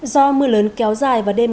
do mưa lớn kéo dài vào đêm